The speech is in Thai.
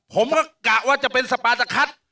ผมก็กะว่าจะเป็นสปาตะคัท